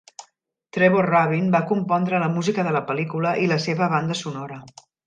Trevor Rabin va compondre la música de la pel·lícula i la seva banda sonora.